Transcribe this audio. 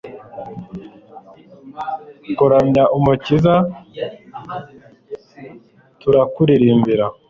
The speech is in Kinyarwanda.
kuramya umukiza, turakuririmbira